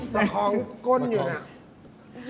ประคองก้นอยู่นะ